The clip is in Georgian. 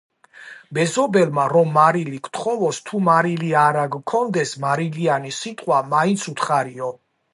მეზობელმა რომ მარილი გთხოვოს, თუ მარილი არა გქონდეს, მარილიანი სიტყვა მაინც უთხარიო